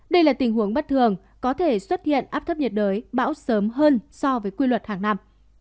đây là tình huống bất thường có thể xuất hiện áp thấp nhiệt đới bão sớm hơn so với quy luật hàng năm